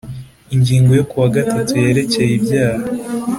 Ingingo yo ku wa gatatu yerekeye ibyaha